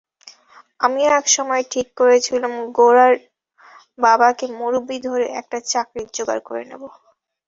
আমিও এক সময়ে ঠিক করেছিলুম গোরার বাবাকে মুরুব্বি ধরে একটা চাকরির জোগাড় করে নেব।